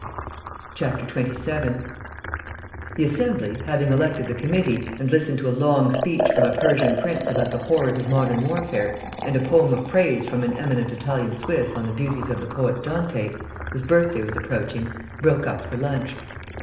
27 The Assembly, having elected the committee, and listened to a long speech from a Persian prince about the horrors of modern warfare, and a poem of praise from an eminent Italian Swiss on the beauties of the poet Dante, whose birthday was approaching, broke up for lunch.